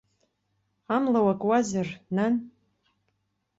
Амла уакуазар, нан?